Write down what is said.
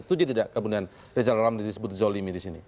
setuju tidak kemudian rizal ramli disebut zolimi disini